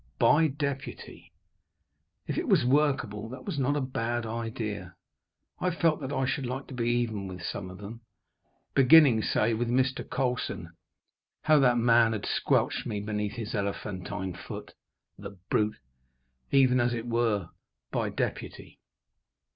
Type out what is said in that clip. By deputy. If it was workable, that was not a bad idea. I felt that I should like to be even with some of them, beginning, say, with Mr. Colson how that man had squelched me beneath his elephantine foot! the brute! even, as it were, by deputy.